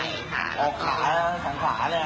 แล้วก็ว่า